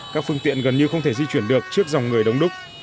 các phương tiện gần như không thể di chuyển được trước dòng người đống đúc